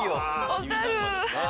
分かる！